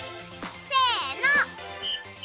せの。